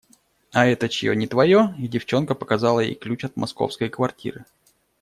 – А это чье? Не твое? – И девчонка показала ей ключ от московской квартиры.